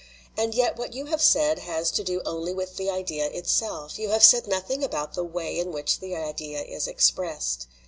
And yet what you have said has to do only with the idea itself. You have said nothing about the way in which the idea is expressed."